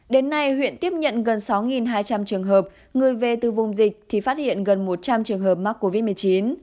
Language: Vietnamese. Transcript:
đến nay huyện tiếp nhận gần sáu hai trăm linh trường hợp người về từ vùng dịch thì phát hiện gần một trăm linh trường hợp mắc covid một mươi chín